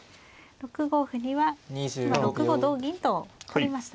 ６五歩には今６五同銀と取りましたね。